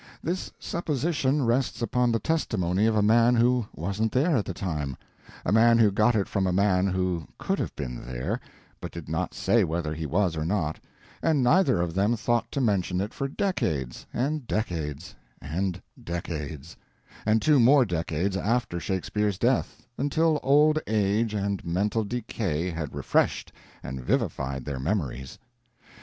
This supposition rests upon the testimony of a man who wasn't there at the time; a man who got it from a man who could have been there, but did not say whether he was nor not; and neither of them thought to mention it for decades, and decades, and decades, and two more decades after Shakespeare's death (until old age and mental decay had refreshed and vivified their memories).